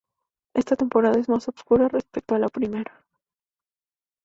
Esta temporada es más "oscura" respecto a la primera.